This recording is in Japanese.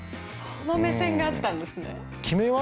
その目線があったんですね。